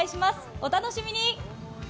お楽しみに。